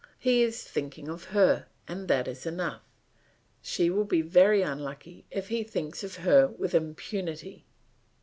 He is thinking of her, and that is enough; she will be very unlucky if he thinks of her with impunity.